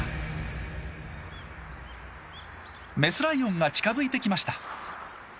メスライオンが近づいてきました。